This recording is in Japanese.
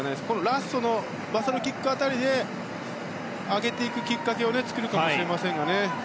ラストのバサロキックあたりで上げていくきっかけを作るかもしれませんが。